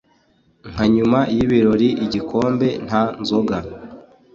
nka nyuma y'ibirori igikombe nta nzoga